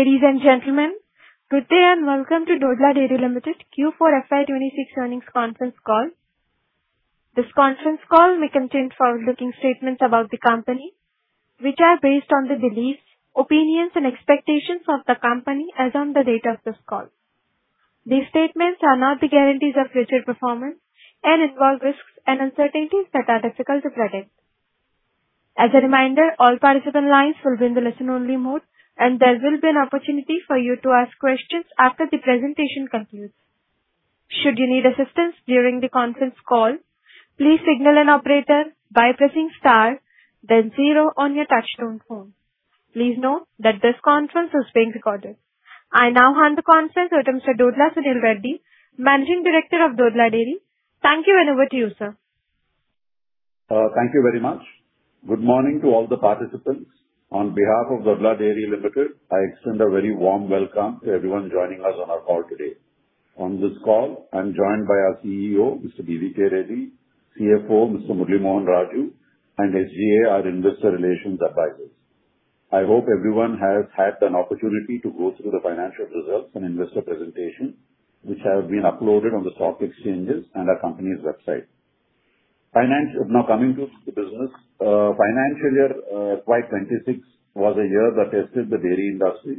Ladies and gentlemen, good day and welcome to Dodla Dairy Limited Q4 FY 2026 Earnings Conference Call. This conference call may contain forward-looking statements about the company, which are based on the beliefs, opinions, and expectations of the company as on the date of this call. These statements are not the guarantees of future performance and involve risks and uncertainties that are difficult to predict. As a reminder, all participant lines will be in the listen-only mode, and there will be an opportunity for you to ask questions after the presentation concludes. Should you need assistance during the conference call, please signal an operator by pressing star then zero on your touchtone phone. Please note that this conference is being recorded. I now hand the conference to Mr. Dodla Sunil Reddy, Managing Director of Dodla Dairy. Thank you, and over to you, sir. Thank you very much. Good morning to all the participants. On behalf of Dodla Dairy Limited, I extend a very warm welcome to everyone joining us on our call today. On this call, I'm joined by our CEO, Mr. B.V.K. Reddy, CFO, Mr. Murali Mohan Raju, and SGA, our Investor Relations advisors. I hope everyone has had an opportunity to go through the financial results and investor presentation, which have been uploaded on the stock exchanges and our company's website. Now, coming to the business. Financial year, FY 2026 was a year that tested the dairy industry.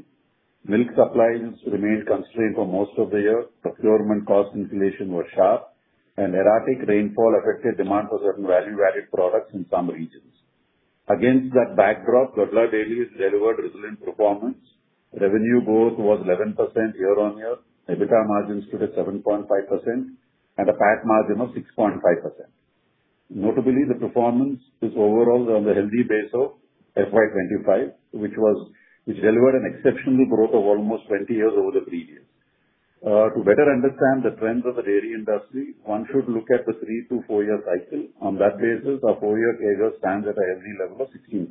Milk supplies remained constrained for most of the year. Procurement cost inflation was sharp, and erratic rainfall affected demand for certain value-added products in some regions. Against that backdrop, Dodla Dairy has delivered resilient performance. Revenue growth was 11% year-on-year, EBITDA margins stood at 7.5%, and a PAT margin of 6.5%. Notably, the performance is overall on the healthy base of FY 2025, which delivered an exceptional growth of almost 20 years over the previous. To better understand the trends of the dairy industry, one should look at the three to four year cycle. On that basis, our four year CAGR stands at a healthy level of 16%.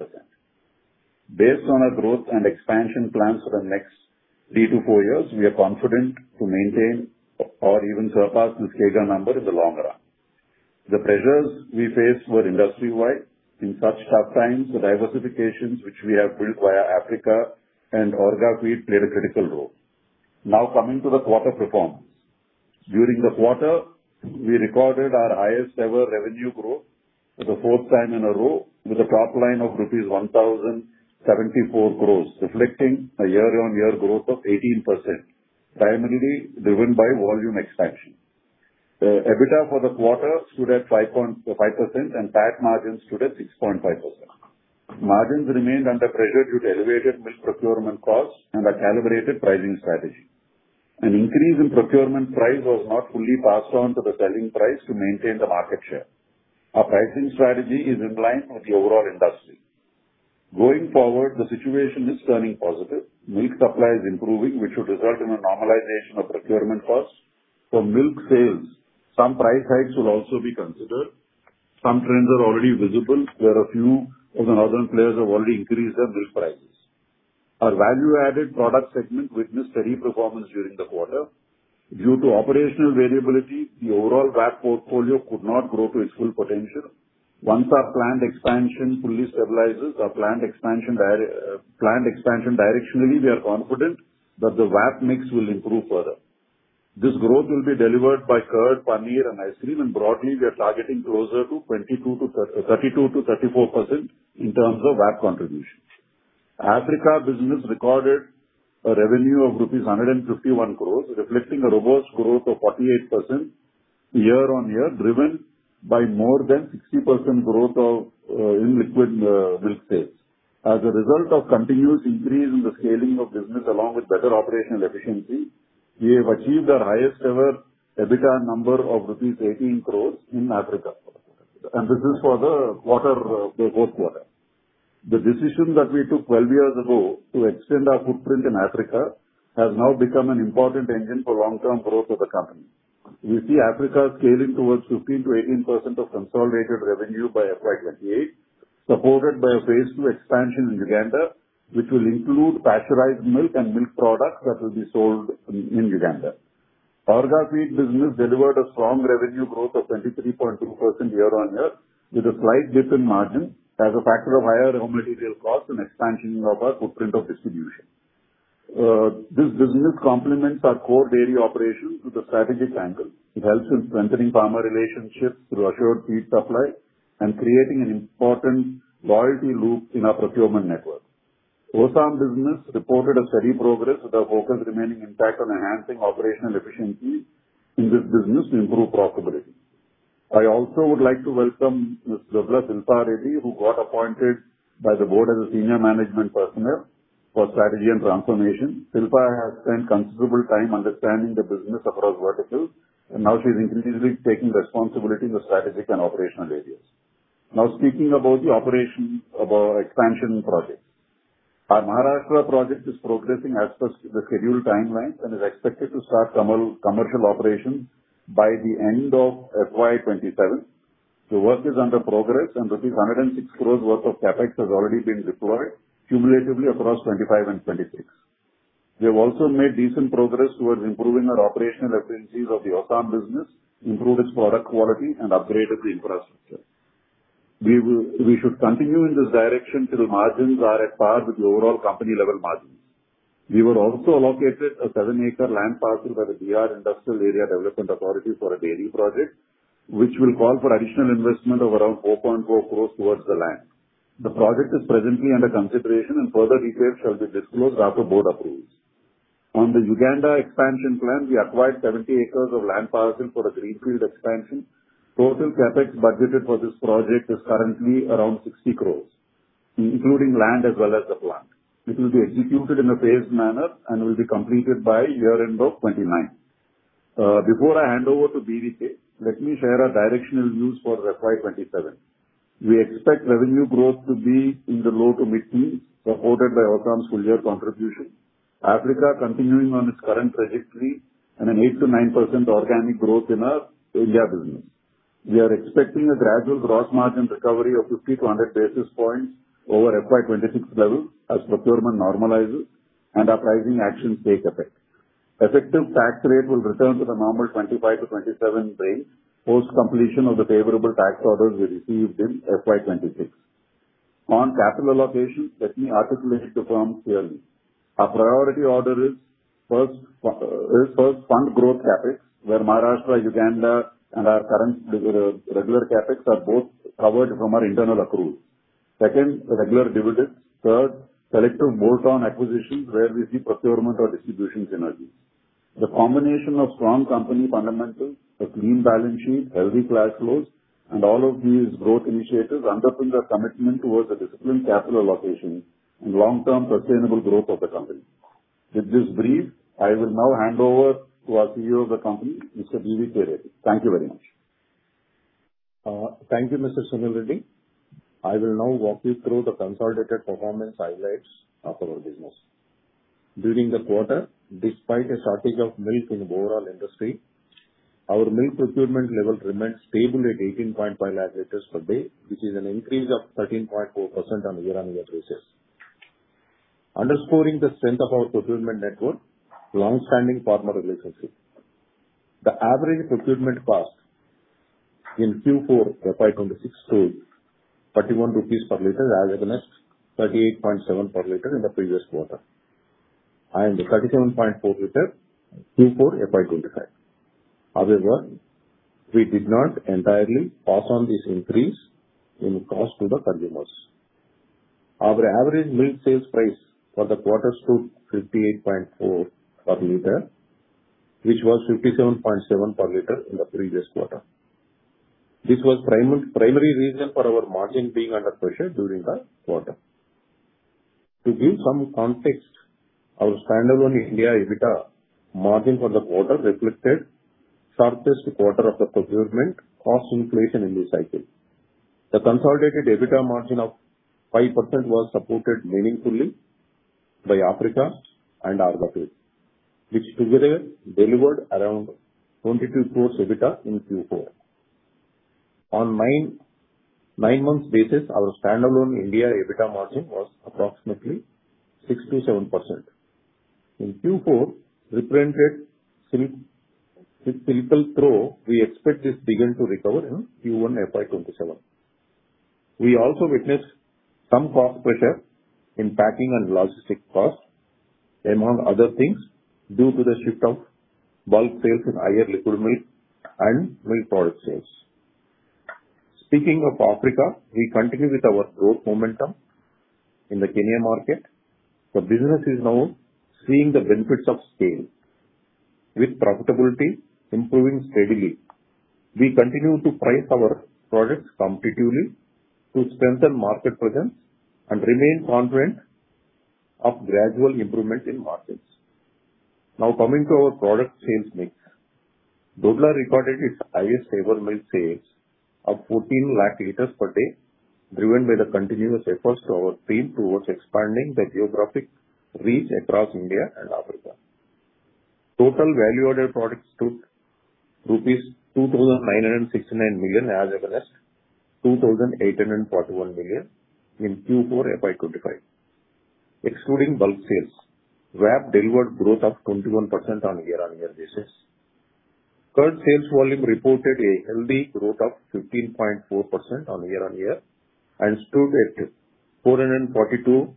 Based on our growth and expansion plans for the next three to four years, we are confident to maintain or even surpass this CAGR number in the long run. The pressures we faced were industry-wide. In such tough times, the diversifications which we have built via Africa and Orgafeed played a critical role. Coming to the quarter performance. During the quarter, we recorded our highest-ever revenue growth for the fourth time in a row with a top line of rupees 1,074 crores, reflecting a year-on-year growth of 18%, primarily driven by volume expansion. EBITDA for the quarter stood at 5.5%, and PAT margins stood at 6.5%. Margins remained under pressure due to elevated milk procurement costs and a calibrated pricing strategy. An increase in procurement price was not fully passed on to the selling price to maintain the market share. Our pricing strategy is in line with the overall industry. Going forward, the situation is turning positive. Milk supply is improving, which should result in a normalization of procurement costs. For milk sales, some price hikes will also be considered. Some trends are already visible, where a few of the northern players have already increased their milk prices. Our value-added product segment witnessed steady performance during the quarter. Due to operational variability, the overall VAP portfolio could not grow to its full potential. Once our plant expansion fully stabilizes, our plant expansion directionally, we are confident that the VAP mix will improve further. This growth will be delivered by curd, paneer, and ice cream, and broadly, we are targeting closer to 32%-34% in terms of VAP contribution. Africa business recorded a revenue of rupees 151 crores, reflecting a robust growth of 48% year-on-year, driven by more than 60% growth in liquid milk sales. As a result of continuous increase in the scaling of business along with better operational efficiency, we have achieved our highest-ever EBITDA number of rupees 18 crores in Africa. This is for the fourth quarter. The decision that we took 12 years ago to extend our footprint in Africa has now become an important engine for long-term growth of the company. We see Africa scaling towards 15%-18% of consolidated revenue by FY 2028, supported by a phase II expansion in Uganda, which will include pasteurized milk and milk products that will be sold in Uganda. Orgafeed business delivered a strong revenue growth of 23.2% year-on-year with a slight dip in margin as a factor of higher raw material costs and expansion of our footprint of distribution. This business complements our core dairy operations with a strategic angle. It helps in strengthening farmer relationships through assured feed supply and creating an important loyalty loop in our procurement network. OSAM business reported a steady progress, with our focus remaining intact on enhancing operational efficiency in this business to improve profitability. I also would like to welcome Ms. Dodla Silpa Reddy, who got appointed by the board as a senior management personnel for strategy and transformation. Silpa has spent considerable time understanding the business across verticals, and now she's increasingly taking responsibility in the strategic and operational areas. Now, speaking about the operations of our expansion projects. Our Maharashtra project is progressing as per the scheduled timelines and is expected to start commercial operations by the end of FY 2027. The work is under progress, rupees 106 crores worth of CapEx has already been deployed cumulatively across FY 2025 and FY 2026. We have also made decent progress towards improving our operational efficiencies of the OSAM business, improved its product quality, and upgraded the infrastructure. We should continue in this direction till margins are at par with the overall company level margins. We were also allocated a seven-acre land parcel by the DR Industrial Area Development Authority for a dairy project, which will call for additional investment of around 4.4 crores towards the land. The project is presently under consideration, and further details shall be disclosed after board approves. On the Uganda expansion plan, we acquired 70 acres of land parcel for a greenfield expansion. Total CapEx budgeted for this project is currently around 60 crores, including land as well as the plant. It will be executed in a phased manner and will be completed by year-end of 2029. Before I hand over to B.V.K., let me share our directional views for FY 2027. We expect revenue growth to be in the low to mid-single supported by OSAM's full year contribution. Africa continuing on its current trajectory and an 8%-9% organic growth in our India business. We are expecting a gradual gross margin recovery of 50 to 100 basis points over FY 2026 level as procurement normalizes and our pricing actions take effect. Effective tax rate will return to the normal 25-27 range post completion of the favorable tax orders we received in FY 2026. On capital allocation, let me articulate the firm clearly. Our priority order is first fund growth CapEx, where Maharashtra, Uganda, and our current regular CapEx are both covered from our internal accruals. Second, regular dividends. Third, selective bolt-on acquisitions where we see procurement or distribution synergies. The combination of strong company fundamentals, a clean balance sheet, healthy cash flows, and all of these growth initiatives underpin our commitment towards a disciplined capital allocation and long-term sustainable growth of the company. With this brief, I will now hand over to our CEO of the company, Mr. B.V.K. Reddy. Thank you very much. Thank you, Mr. Sunil Reddy. I will now walk you through the consolidated performance highlights of our business. During the quarter, despite a shortage of milk in the overall industry, our milk procurement level remained stable at 18.5 lakh liters per day, which is an increase of 13.4% on year-on-year basis. Underscoring the strength of our procurement network, long-standing farmer relationships. The average procurement cost in Q4 FY 2026 stood 31 rupees per liter as against 38.7 per liter in the previous quarter and 37.4 per liter Q4 FY 2025. We did not entirely pass on this increase in cost to the consumers. Our average milk sales price for the quarter stood 58.4 per liter, which was 57.7 per liter in the previous quarter. This was primary reason for our margin being under pressure during the quarter. To give some context, our standalone India EBITDA margin for the quarter reflected sharpest quarter of the procurement cost inflation in this cycle. The consolidated EBITDA margin of 5% was supported meaningfully by Africa and Orgafeed, which together delivered around 22 crores EBITDA in Q4. On nine months basis, our standalone India EBITDA margin was approximately 6%-7%. In Q4, reprinted with little throw, we expect this begin to recover in Q1 FY 2027. We also witnessed some cost pressure in packing and logistic costs, among other things, due to the shift of bulk sales in higher liquid milk and milk product sales. Speaking of Africa, we continue with our growth momentum in the Kenya market. The business is now seeing the benefits of scale with profitability improving steadily. We continue to price our products competitively to strengthen market presence and remain confident of gradual improvement in margins. Coming to our product sales mix. Dodla's recorded its highest ever milk sales of 14 lakh liters per day, driven by the continuous efforts to our team towards expanding the geographic reach across India and Africa. Total value-added products stood 2,969 million rupees as against 2,841 million in Q4 FY 2025. Excluding bulk sales, VAP delivered growth of 21% on year-on-year basis. Curd sales volume reported a healthy growth of 15.4% on year-on-year and stood at 442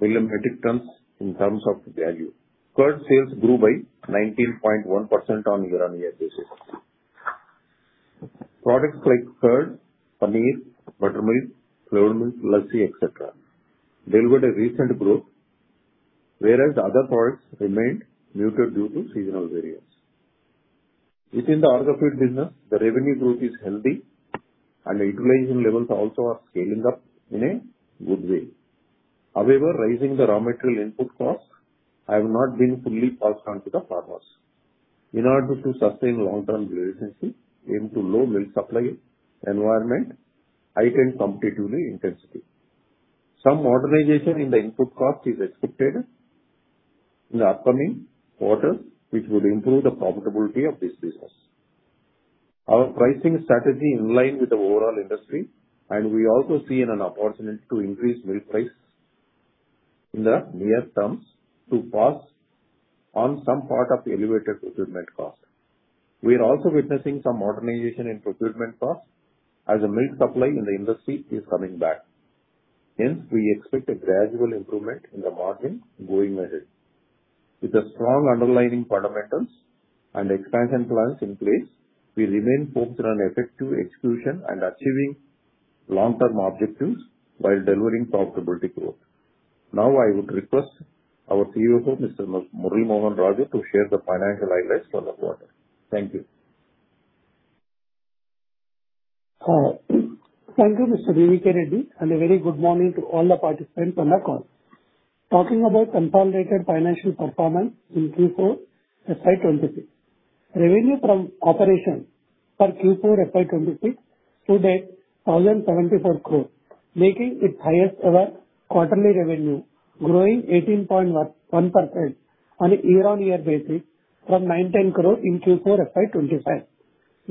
million metric tons in terms of value. Curd sales grew by 19.1% on year-on-year basis. Products like curd, paneer, buttermilk, flavoured milk, lassi, et cetera, delivered a recent growth, whereas other products remained muted due to seasonal variance. Within the Orgafeed business, the revenue growth is healthy and utilization levels also are scaling up in a good way. However, rising the raw material input costs have not been fully passed on to the farmers. In order to sustain long-term relationship into low milk supply environment, it is competitively intensive. Some moderation in the input cost is expected in the upcoming quarters, which will improve the profitability of this business. Our pricing strategy in line with the overall industry, and we also see an opportunity to increase milk price in the near terms to pass on some part of the elevated procurement cost. We are also witnessing some moderation in procurement cost as the milk supply in the industry is coming back. Hence, we expect a gradual improvement in the margin going ahead. With the strong underlying fundamentals and expansion plans in place, we remain focused on effective execution and achieving long-term objectives while delivering profitability growth. Now, I would request our CFO, Mr. Murali Mohan Raju, to share the financial highlights for the quarter. Thank you. Hi. Thank you, Mr. B.V.K. Reddy, and a very good morning to all the participants on the call. Talking about consolidated financial performance in Q4 FY 2026. Revenue from operation for Q4 FY 2026 stood at 1,074 crore, making its highest ever quarterly revenue, growing 18.11% on a year-on-year basis from 90 crore in Q4 FY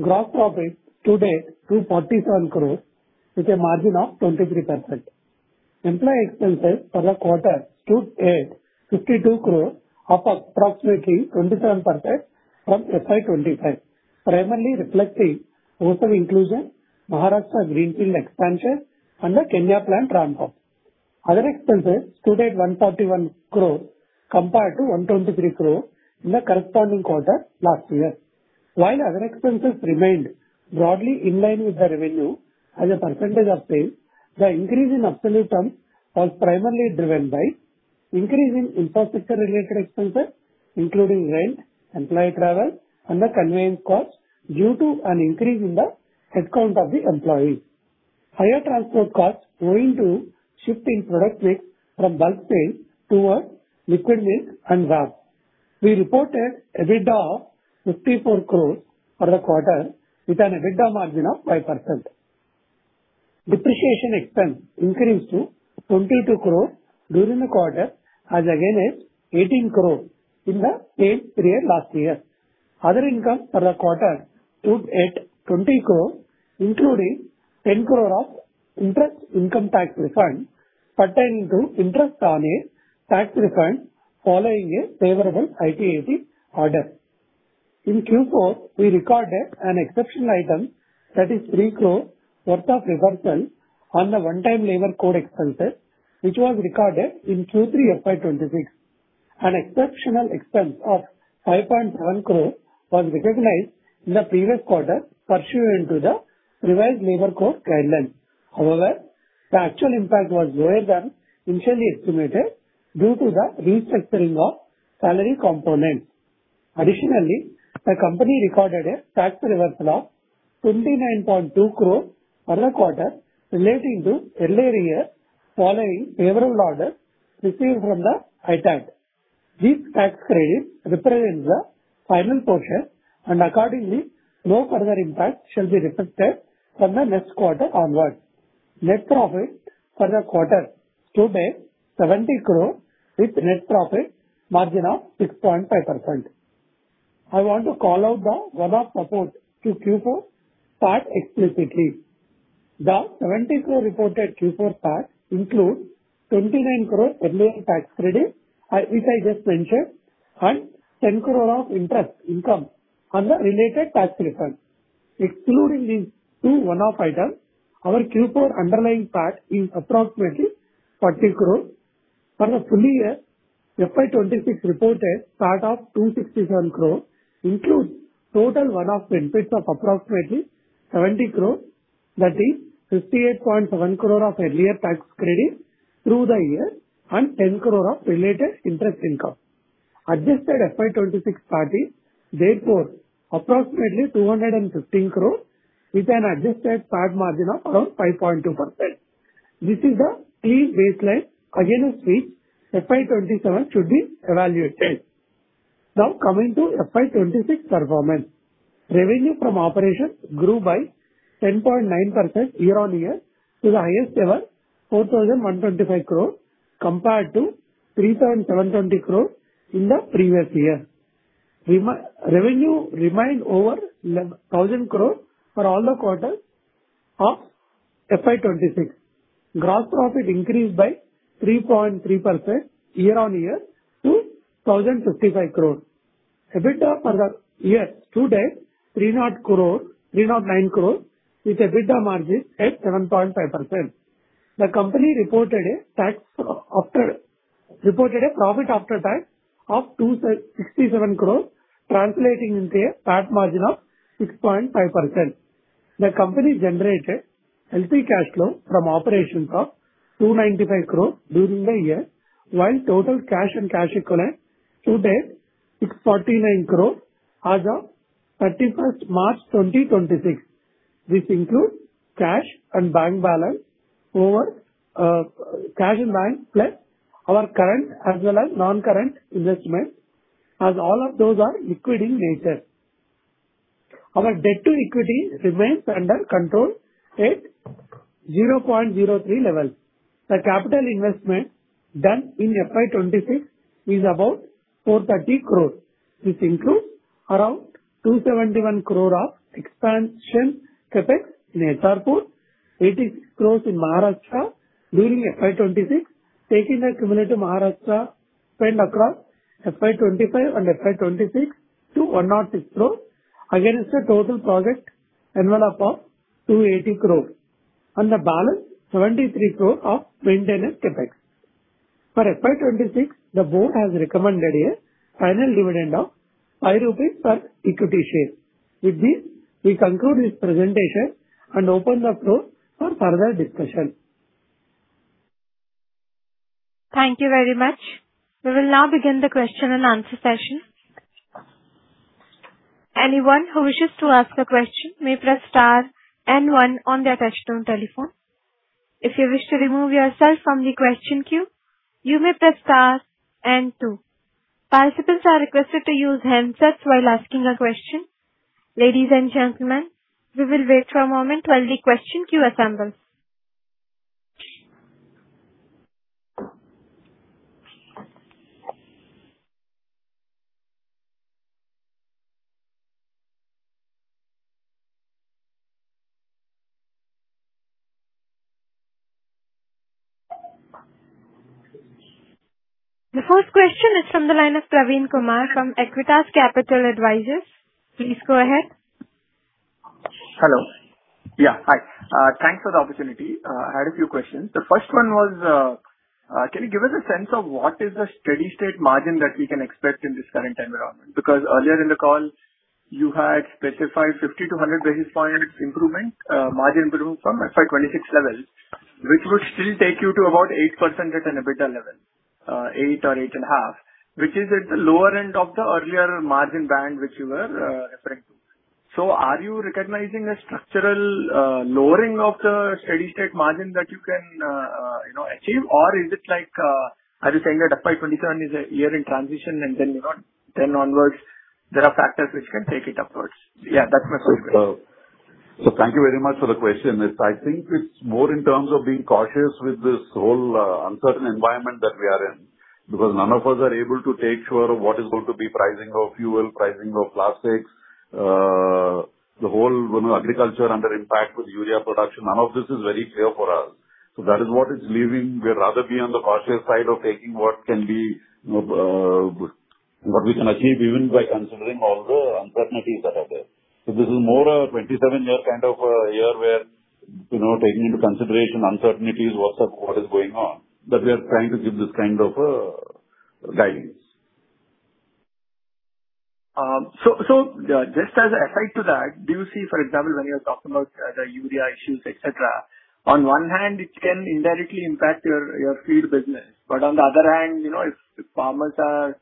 2025. Gross profit stood at 247 crore with a margin of 23%. Employee expenses for the quarter stood at 52 crore, up approximately 27% from FY 2025, primarily reflecting Hosur inclusion, Maharashtra greenfield expansion, and the Kenya plant ramp-up. Other expenses stood at 141 crore compared to 123 crore in the corresponding quarter last year. While other expenses remained broadly in line with the revenue as a percentage of sales, the increase in absolute terms was primarily driven by increase in infrastructure-related expenses, including rent, employee travel, and the conveyance costs due to an increase in the headcount of the employees. Higher transport costs owing to shifting product mix from bulk sales towards liquid milk and VAPs. We reported EBITDA of 54 crore for the quarter with an EBITDA margin of 5%. Depreciation expense increased to 22 crore during the quarter as against 18 crore in the same period last year. Other income for the quarter stood at 20 crore, including 10 crore of interest income tax refund pertaining to interest on a tax refund following a favorable ITAT order. In Q4, we recorded an exceptional item that is 3 crore worth of reversal on the one-time Labor Code expenses, which was recorded in Q3 FY 2026. An exceptional expense of 5.7 crore was recognized in the previous quarter pursuant to the revised Labor Code guidelines. However, the actual impact was lower than initially estimated due to the restructuring of salary components. Additionally, the company recorded a tax reversal of 29.2 crore for the quarter relating to earlier years following favorable order received from the ITAT. This tax credit represents the final portion and accordingly, no further impact shall be reflected from the next quarter onwards. Net profit for the quarter stood at 70 crore with net profit margin of 6.5%. I want to call out the one-off support to Q4 PAT explicitly. The 70 crore reported Q4 PAT includes 29 crore earlier tax credit, which I just mentioned, and 10 crore of interest income on the related tax refund. Excluding these two one-off items, our Q4 underlying PAT is approximately 40 crore. For the full year, FY 2026 reported PAT of 267 crore includes total one-off benefits of approximately 70 crore that is 58.7 crore of earlier tax credit through the year and 10 crore of related interest income. Adjusted FY 2026 PAT therefore approximately 215 crore with an adjusted PAT margin of around 5.2%. This is a key baseline against which FY 2027 should be evaluated. Coming to FY 2026 performance. Revenue from operations grew by 10.9% year-on-year to the highest ever 4,125 crore compared to 3,720 crore in the previous year. Revenue remained over 1,000 crore for all the quarters of FY 2026. Gross profit increased by 3.3% year-on-year to 1,055 crore. EBITDA for the year stood at 309 crore with EBITDA margin at 7.5%. The company reported a profit after tax of 267 crore, translating into a PAT margin of 6.5%. The company generated healthy cash flow from operations of INR 295 crore during the year, while total cash and cash equivalent stood at INR 649 crore as of March 31, 2026. This includes cash and bank balance over cash in bank, plus our current as well as non-current investments, as all of those are liquid in nature. Our debt to equity remains under control at 0.03 level. The capital investment done in FY 2026 is about 430 crore. Around 271 crore of expansion CapEx in Kuppam, 86 crore in Maharashtra during FY 2026, taking the cumulative Maharashtra spend across FY 2025 and FY 2026 to INR 106 crore against the total project envelope of 280 crore on the balance 73 crore of maintenance CapEx. For FY 2026, the board has recommended a final dividend of 5 rupees per equity share. With this, we conclude this presentation and open the floor for further discussion. Thank you very much. We will now begin the question and answer session. Anyone who wishes to ask the question may press star and one on their touchtone telephone. If you wish to remove yourself from the question queue, you may press star and two. Participants are requested to use handsets while asking a question. Ladies and gentlemen, we will wait for a moment while the question queue assembles. The first question is from the line of Praveen Kumar from Aequitas Capital Advisors. Please go ahead. Hello. Hi. Thanks for the opportunity. I had a few questions. The first one was, can you give us a sense of what is the steady-state margin that we can expect in this current environment? Earlier in the call, you had specified 50 to 100 basis point improvement, margin improvement from FY 2026 levels, which would still take you to about 8% at an EBITDA level, 8 or 8.5, which is at the lower end of the earlier margin band which you were referring to. Are you recognizing a structural lowering of the steady-state margin that you can, you know, achieve, or are you saying that FY 2027 is a year in transition and, you know, then onwards there are factors which can take it upwards? Yeah, that's my first question. Thank you very much for the question. I think it's more in terms of being cautious with this whole uncertain environment that we are in because none of us are able to take sure of what is going to be pricing of fuel, pricing of plastics, the whole, you know, agriculture under impact with urea production. None of this is very clear for us. That is what is leaving. We'd rather be on the cautious side of taking what can be, what we can achieve even by considering all the uncertainties that are there. This is more a 27-year kind of a year where, you know, taking into consideration uncertainties, what's up, what is going on, that we are trying to give this kind of guidance. Just as a aside to that, do you see, for example, when you're talking about the urea issues, et cetera, on one hand it can indirectly impact your feed business, but on the other hand, you know, if farmers are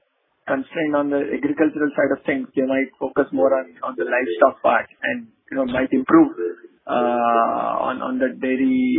constrained on the agricultural side of things, they might focus more on the livestock part and, you know, might improve on the dairy,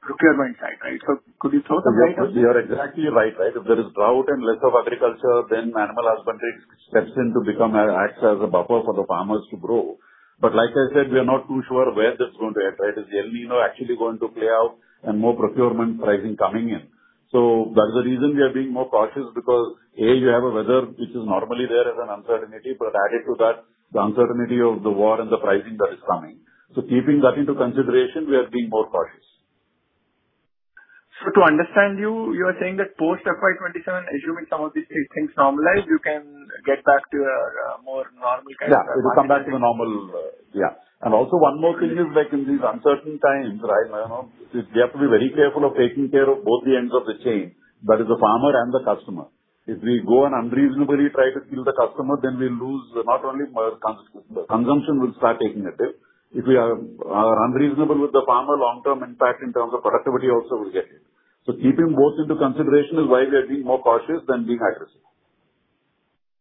procurement side, right? Could you throw some light on this? You're exactly right. Right. If there is drought and less of agriculture, then animal husbandry steps in to acts as a buffer for the farmers to grow. Like I said, we are not too sure where that's going to end, right? Is El Niño actually going to play out and more procurement pricing coming in? That is the reason we are being more cautious because, A, you have a weather which is normally there as an uncertainty, but added to that, the uncertainty of the war and the pricing that is coming. Keeping that into consideration, we are being more cautious. To understand you are saying that post FY 2027, assuming some of these things normalize, you can get back to a more normal kind of. Yeah. It will come back to the normal, yeah. Also one more thing is like in these uncertain times, right, you know, we have to be very careful of taking care of both the ends of the chain. That is the farmer and the customer. If we go and unreasonably try to kill the customer, then we'll lose not only consumption will start taking a hit. If we are unreasonable with the farmer, long-term impact in terms of productivity also will get hit. Keeping both into consideration is why we are being more cautious than being aggressive.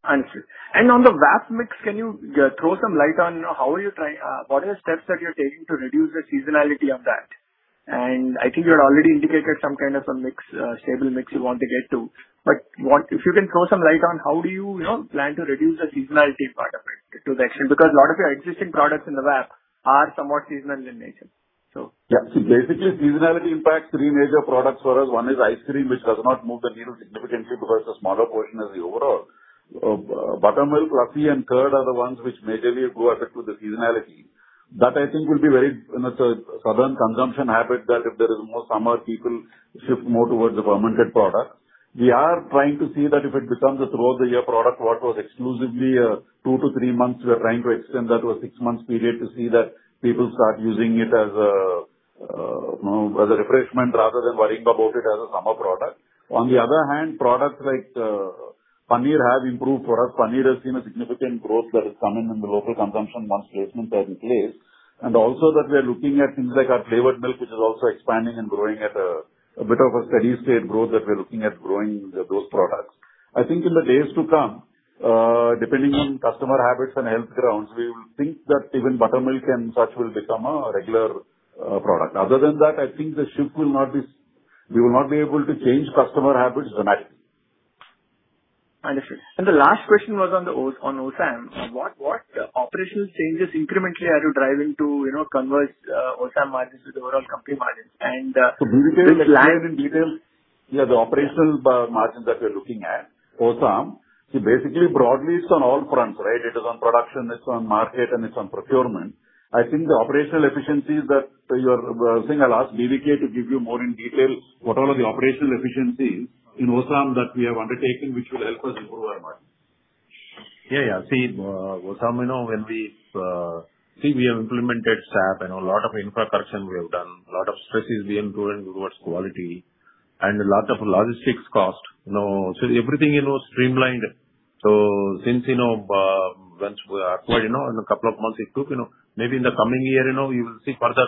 Understood. On the VAP mix, can you throw some light on what are the steps that you're taking to reduce the seasonality of that? I think you had already indicated some kind of stable mix you want to get to. If you can throw some light on how do you know, plan to reduce the seasonality part of it to the extent, because a lot of your existing products in the VAP are somewhat seasonal in nature, so. Seasonality impacts three major products for us. One is ice cream, which does not move the needle significantly because it's a smaller portion of the overall. Buttermilk, lassi and curd are the ones which majorly go affect with the seasonality. That I think would be very, you know, southern consumption habit that if there is more summer, people shift more towards the fermented products. We are trying to see that if it becomes a throughout the year product, what was exclusively a two to three months, we are trying to extend that to a six months period to see that people start using it as a, you know, as a refreshment rather than worrying about it as a summer product. On the other hand, products like paneer have improved for us. Paneer has seen a significant growth that is coming in the local consumption once placement is in place. Also that we are looking at things like our flavoured Milk, which is also expanding and growing at a bit of a steady state growth that we're looking at growing those products. I think in the days to come, depending on customer habits and health grounds, we will think that even buttermilk and such will become a regular product. Other than that, I think we will not be able to change customer habits dramatically. Understood. The last question was on OSAM. What operational changes incrementally are you driving to, you know, converge OSAM margins with overall company margins? Can you share in detail? The operational margin that we are looking at OSAM, basically broadly it is on all fronts. It is on production, it is on market, and it is on procurement. I think the operational efficiencies that you are seeing, I will ask B.V.K. to give you more in detail what all are the operational efficiencies in OSAM that we have undertaken which will help us improve our margin. Yeah, yeah. See, OSAM, you know, we have implemented SAP and a lot of infra correction we have done. A lot of stresses we improved towards quality and a lot of logistics cost. Everything, you know, streamlined. Since, you know, once we acquired, you know, in a couple of months it took, you know. Maybe in the coming year, you know, we will see further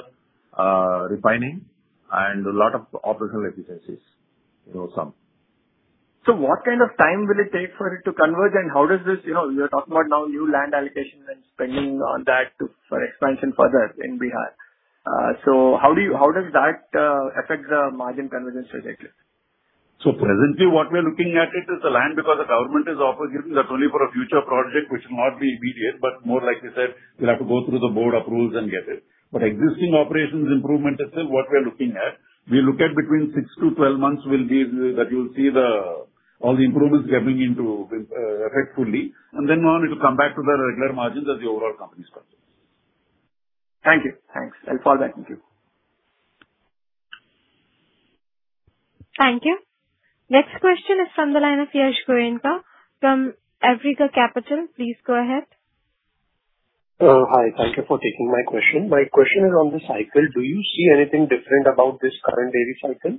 refining and a lot of operational efficiencies, you know. What kind of time will it take for it to converge? How does this, you know, you are talking about now new land allocations and spending on that to, for expansion further in Bihar. How does that affect the margin convergence trajectory? Presently, what we are looking at it is the land because the government has offered, given that's only for a future project which will not be immediate. More, like you said, we'll have to go through the board approvals and get it. Existing operations improvement is still what we are looking at. We look at between 6 to 12 months that you'll see all the improvements getting into effect fully. Onwards, it will come back to the regular margins as the overall company's margins. Thank you. Thanks. I'll follow back with you. Thank you. Next question is from the line of Yash Goenka from Africa Capital. Please go ahead. Hi. Thank you for taking my question. My question is on the cycle. Do you see anything different about this current dairy cycle?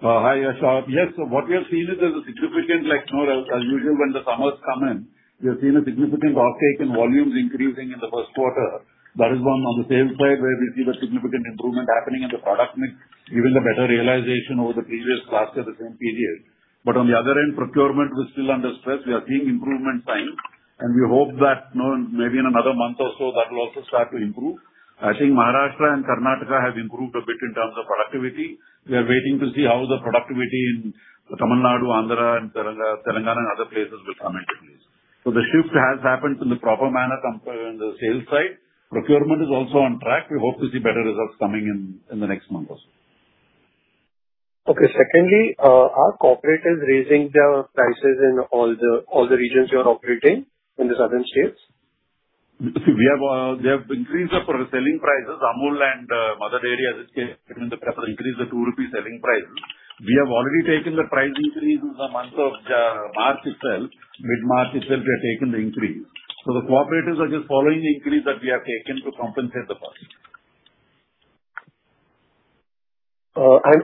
Hi, Yash. Yes. What we have seen is there's a significant, like, you know, as usual, when the summers come in, we have seen a significant uptake in volumes increasing in the first quarter. That is one on the sales side where we see the significant improvement happening in the product mix, giving a better realization over the previous quarter, the same period. On the other end, procurement was still under stress. We are seeing improvement signs, and we hope that, you know, maybe in another month or so that will also start to improve. I think Maharashtra and Karnataka have improved a bit in terms of productivity. We are waiting to see how the productivity in Tamil Nadu, Andhra, and Telangana and other places will come into place. The shift has happened in the proper manner in the sales side. Procurement is also on track. We hope to see better results coming in the next month also. Okay. Secondly, are cooperatives raising their prices in all the, all the regions you are operating in the southern states? See, we have, they have increased the selling prices. Amul and Mother Dairy has increased the 2 rupees selling price. We have already taken the price increase in the month of March itself. Mid-March itself we have taken the increase. The cooperatives are just following the increase that we have taken to compensate the losses.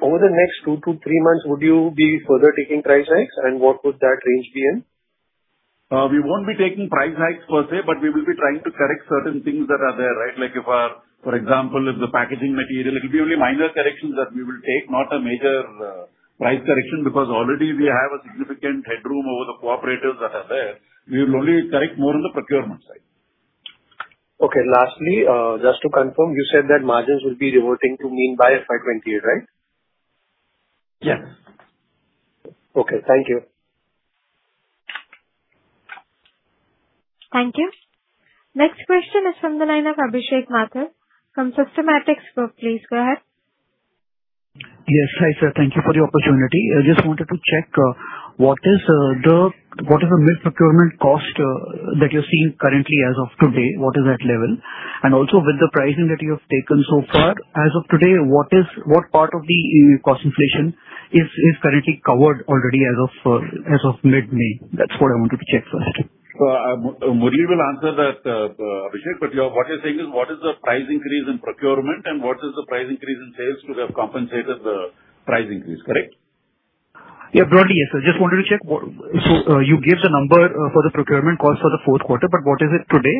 Over the next two to three months, would you be further taking price hikes, and what would that range be in? We won't be taking price hikes per se, but we will be trying to correct certain things that are there, right? Like if our, for example, if the packaging material, it'll be only minor corrections that we will take, not a major price correction, because already we have a significant headroom over the cooperatives that are there. We will only take more on the procurement side. Okay. Lastly, just to confirm, you said that margins will be reverting to mean by FY 2028, right? Yes. Okay. Thank you. Thank you. Next question is from the line of Abhishek Mathur from Systematix. Please go ahead. Yes. Hi, sir. Thank you for the opportunity. I just wanted to check, what is the milk procurement cost that you're seeing currently as of today? What is that level? Also with the pricing that you have taken so far, as of today, what is, what part of the cost inflation is currently covered already as of mid-May? That's what I wanted to check first. Murali will answer that, Abhishek. Yeah, what you're saying is, what is the price increase in procurement, and what is the price increase in sales to have compensated the price increase, correct? Yeah. Broadly, yes, sir. Just wanted to check. You gave the number for the procurement cost for the fourth quarter, but what is it today?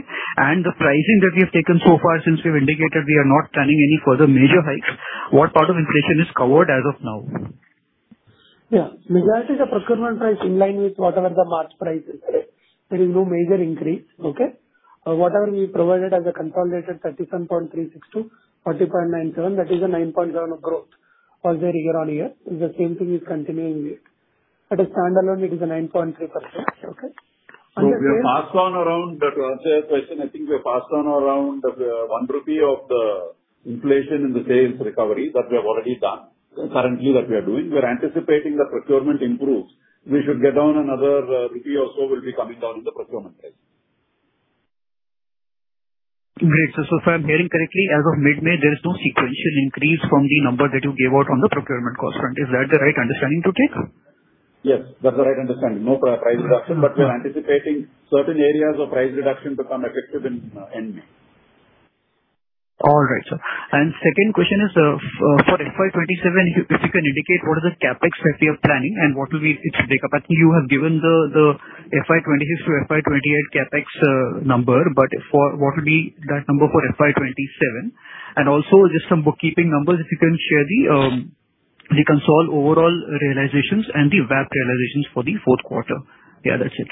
The pricing that we have taken so far since we've indicated we are not planning any further major hikes, what part of inflation is covered as of now? Yeah. Regarding the procurement price in line with whatever the March price is, correct. There is no major increase. Whatever we provided as a consolidated 37.36 to 40.97, that is a 9.7% growth also year-over-year. The same thing is continuing here. At a standalone it is a 9.3%. We have passed on around, to answer your question, I think we have passed on around 1 rupee of the inflation in the sales recovery that we have already done. Currently that we are doing. We are anticipating the procurement improves. We should get down another INR 1 or so will be coming down in the procurement price. Great. If I'm hearing correctly, as of mid-May, there is no sequential increase from the number that you gave out on the procurement cost front. Is that the right understanding to take? Yes, that's the right understanding. No price reduction, but we are anticipating certain areas of price reduction become effective in end May. All right, sir. Second question is, for FY 2027, if you can indicate what is the CapEx that we are planning and what will be its breakup. I think you have given the FY 2026 to FY 2028 CapEx number, for what will be that number for FY 2027? Also just some bookkeeping numbers, if you can share the consol overall realizations and the VAP realizations for the fourth quarter. Yeah, that's it.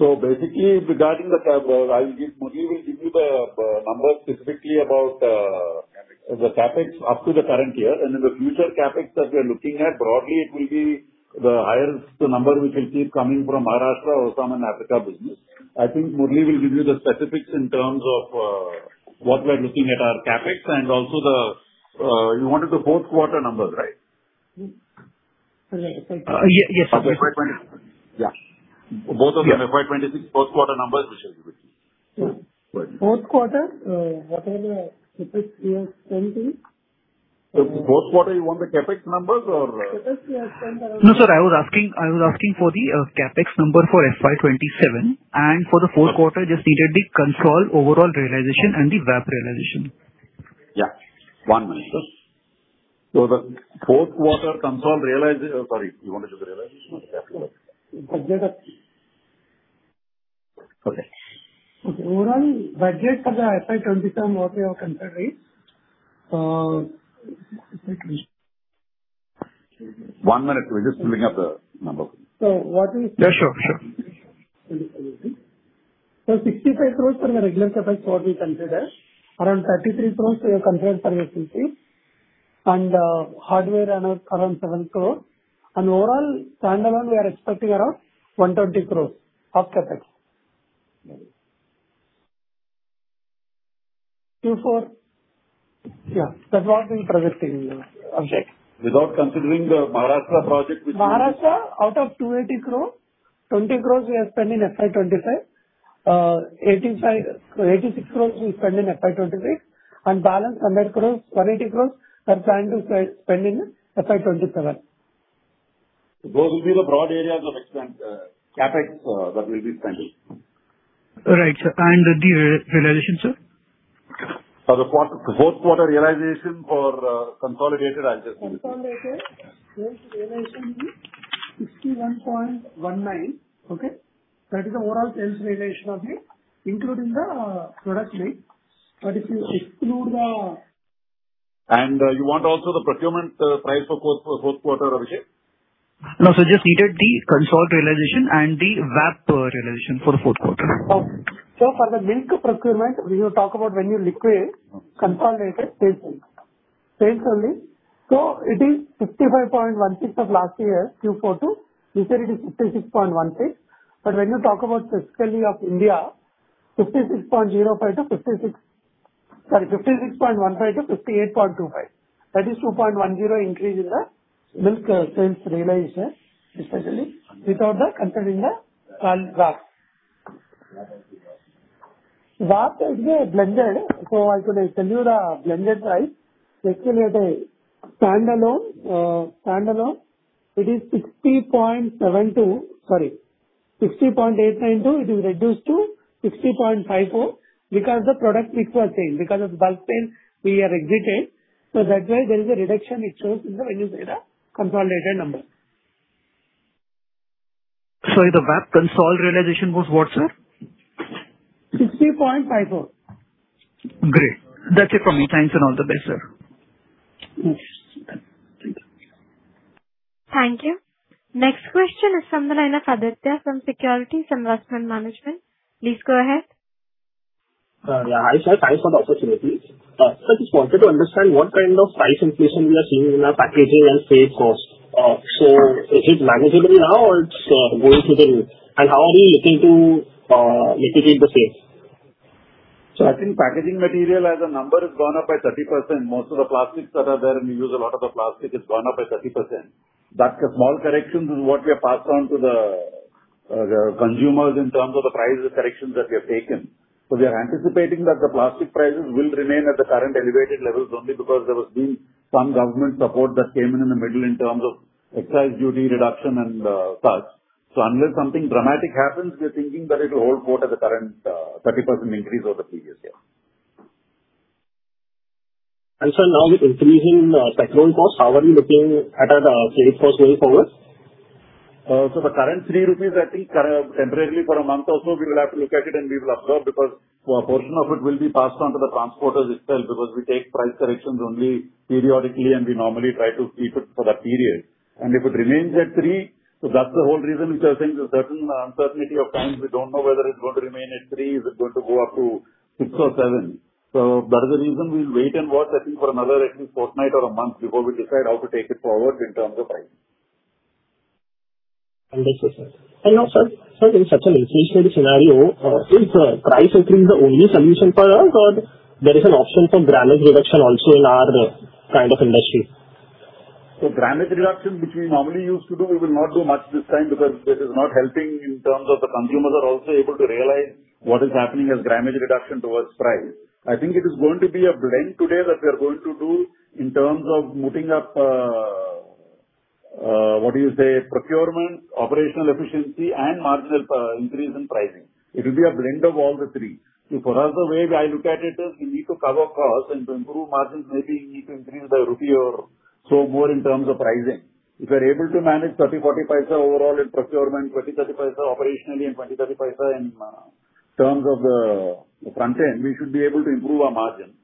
Yeah. Basically regarding the CapEx, Murali will give you the numbers specifically about. CapEx. the CapEx up to the current year. In the future CapEx that we are looking at, broadly it will be the higher number we can see coming from Maharashtra, OSAM, and Africa business. I think Murali will give you the specifics in terms of, what we're looking at our CapEx and also the, you wanted the fourth quarter numbers, right? Yeah, yes, sir. Yeah. Both of them, FY 2026 fourth quarter numbers, Abhishek. Fourth quarter, whatever CapEx we have spent in. Fourth quarter you want the CapEx numbers or? CapEx we have spent. No, sir, I was asking for the CapEx number for FY 2027 and for the fourth quarter, just needed the consolidated overall realization and the VAP realization. Yeah. One minute, sir. Sorry, you wanted the realization or the CapEx? Budget. Okay. Okay. Overall budget for the FY 20-term, what we have considered is. One minute. We're just bringing up the numbers. So what is- Yeah, sure. Sure. 65 crores from the regular CapEx what we consider. Around 33 crores we have considered for EPC. Hardware around 7 crores. Overall standalone we are expecting around 120 crores of CapEx. Q4, yeah. That's what we're projecting, Abhishek. Without considering the Maharashtra project. Maharashtra, out of 280 crore, 20 crores we have spent in FY 2025. 185.86 crores we spent in FY 2023. Balance 100 crores, 180 crores we're planning to spend in FY 2027. Those will be the broad areas of expense, CapEx, that will be spent in. Right, sir. The realization, sir? For the fourth quarter realization for consolidated, Abhishek will give. Consolidated realization will be INR 61.19. Okay? That is the overall sales realization of the including the, product link. You want also the procurement price for fourth quarter, Abhishek? No, sir. Just needed the consolidated realization and the VAP realization for the fourth quarter. Okay. For the milk procurement, we will talk about when you liquidate consolidated sales price. Sales only. It is 65.16 of last year, Q4 to Q3 it is 66.16. When you talk about specifically of India, 56.15 to 58.25. That is 2.10 increase in the milk sales realization, especially without the considering the called VAP. VAP is a blended. I could tell you the blended price. Especially at a standalone it is 60.72. Sorry, 60.892. It is reduced to 60.54 because the product mix was changed. Because of bulk sale we have exited. That's why there is a reduction it shows in the when you say the consolidated number. Sorry, the VAP realization was what, sir? 60.54. Great. That's it for me. Thanks and all the best, sir. Yes. Thank you. Thank you. Next question is from the line of Aditya from Securities and Investment Management. Please go ahead. Yeah. Hi, sir. Thanks for the opportunity. Sir, just wanted to understand what kind of price inflation we are seeing in our packaging and sales force. Is it manageable now or it's going through the roof? How are you looking to mitigate the same? I think packaging material as a number has gone up by 30%. Most of the plastics that are there, and we use a lot of the plastic, it's gone up by 30%. That's a small correction is what we have passed on to the consumers in terms of the price corrections that we have taken. We are anticipating that the plastic prices will remain at the current elevated levels only because there has been some government support that came in the middle in terms of excise duty reduction and such. Unless something dramatic happens, we are thinking that it'll hold fort at the current 30% increase over the previous year. Sir, now with increasing petrol cost, how are you looking at sales force going forward? The current 3 rupees, I think, temporarily for a month or so we will have to look at it and we will absorb because a portion of it will be passed on to the transporters itself because we take price corrections only periodically and we normally try to keep it for that period. If it remains at three, so that's the whole reason which I was saying there's certain uncertainty of times. We don't know whether it's going to remain at three, is it going to go up to six or seven. That is the reason we'll wait and watch, I think, for another at least fortnight or a month before we decide how to take it forward in terms of pricing. Understood, sir. Also, sir, in such an inflationary scenario, is price increase the only solution for us or there is an option for grammage reduction also in our kind of industry? Grammage reduction which we normally used to do, we will not do much this time because this is not helping in terms of the consumers are also able to realize what is happening as grammage reduction towards price. I think it is going to be a blend today that we are going to do in terms of moving up, what do you say, procurement, operational efficiency and marginal increase in pricing. It will be a blend of all the three. For us, the way I look at it is we need to cover costs and to improve margins maybe we need to increase by INR 1 or so more in terms of pricing. If we're able to manage 0.30, 0.40 overall in procurement, 0.20, 0.30 operationally and 0.20, 0.30 in terms of the front end, we should be able to improve our margin.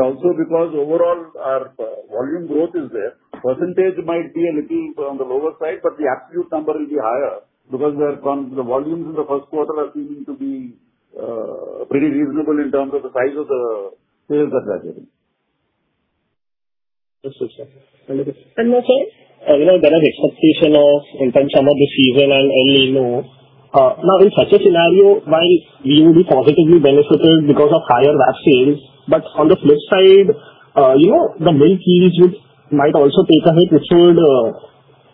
Also because overall our volume growth is there. Percentage might be a little on the lower side, but the absolute number will be higher because the volumes in the first quarter are seeming to be pretty reasonable in terms of the size of the sales that we are getting. Understood, sir. Also, you know, there is expectation of in terms of the season and El Niño. Now, in such a scenario, while we will be positively benefited because of higher VAP sales, but on the flip side, you know, the milk usage might also take a hit, which would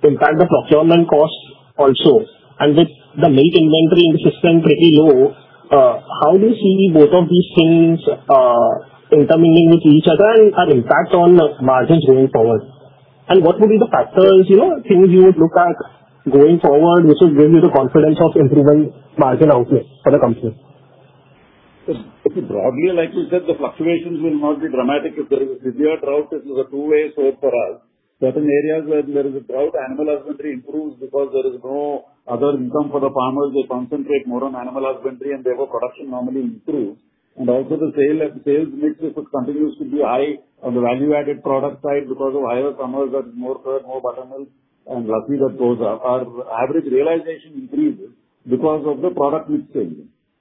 impact the procurement costs also. With the milk inventory in the system pretty low, how do you see both of these things intermingling with each other and impact on margins going forward? What would be the factors, you know, things you would look at going forward, which would give you the confidence of improving margin outlook for the company? Broadly, like we said, the fluctuations will not be dramatic. If there is a severe drought, it is a two way sword for us. Certain areas where there is a drought, animal husbandry improves because there is no other income for the farmers. They concentrate more on animal husbandry, and therefore production normally improves. Also the sales mix, if it continues to be high on the value-added product side because of higher summers, there's more curd, more buttermilk, and luckily that those are our average realization increases because of the product mix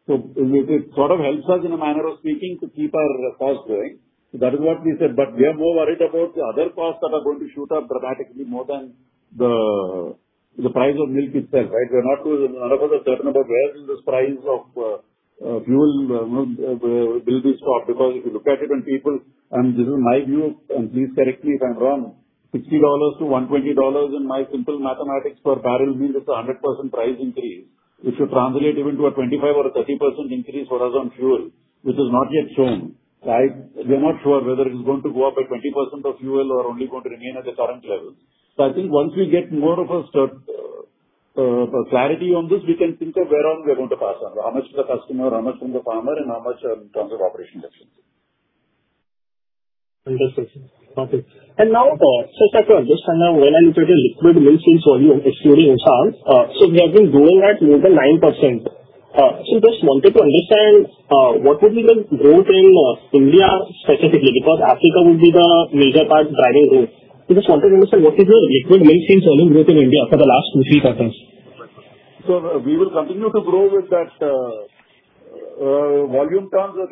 change. It sort of helps us in a manner of speaking to keep our costs going. That is what we said. We are more worried about the other costs that are going to shoot up dramatically more than the price of milk itself, right? None of us are certain about where this price of fuel, you know, will be stopped. If you look at it, this is my view, and please correct me if I'm wrong, INR 60 to INR 120 in my simple mathematics per barrel means it's a 100% price increase. It should translate even to a 25% or 30% increase for us on fuel, which has not yet shown. Right? We're not sure whether it is going to go up by 20% of fuel or only going to remain at the current levels. I think once we get more of a sort clarity on this, we can think of where all we are going to pass on. How much to the customer, how much from the farmer, and how much in terms of operation efficiency? Understood, sir. Okay. Now, sir, if I could understand, when I look at your liquid milk sales volume excluding OSAM, we have been growing at near the 9%. Just wanted to understand, what would be the growth in India specifically, because Africa would be the major part driving growth. I just wanted to understand what is your liquid milk sales volume growth in India for the last two, three quarters. We will continue to grow with that volume terms of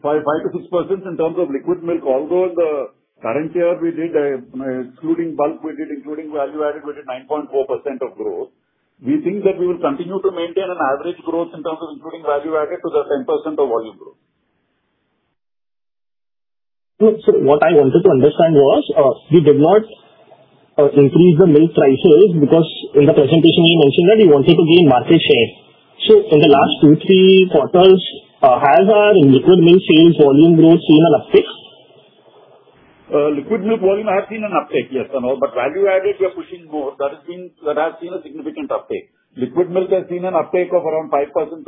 5%-6% in terms of liquid milk. Although in the current year, excluding bulk, including value-added, we did 9.4% of growth. We think that we will continue to maintain an average growth in terms of including value-added to the 10% of volume growth. Yeah. What I wanted to understand was, you did not increase the milk prices because in the presentation you mentioned that you wanted to gain market share. In the last two, three quarters, has our liquid milk sales volume growth seen an uptick? Liquid milk volume has seen an uptick, yes or no. Value-added, we are pushing more. That has seen a significant uptick. Liquid milk has seen an uptick of around 5%-6%,